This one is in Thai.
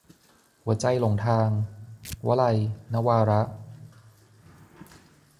หัวใจหลงทาง - วลัย นวาระ